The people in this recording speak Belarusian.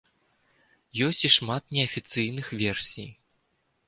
Ёсць і шмат неафіцыйных версій.